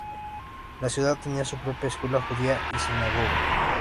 La ciudad tenía su propia escuela judía y sinagoga.